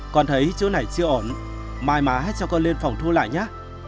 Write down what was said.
còn thấy chữ này chưa ổn mai mà hãy cho con lên phòng thu lại nhé